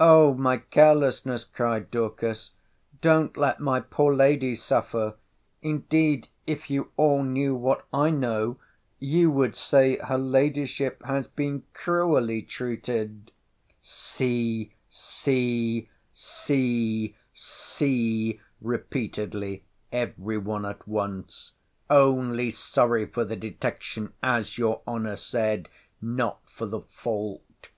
O my carelessness! cried Dorcas—Don't let my poor lady suffer!—Indeed, if you all knew what I know, you would say her ladyship has been cruelly treated— See, see, see, see!—repeatedly, every one at once—Only sorry for the detection, as your honour said—not for the fault.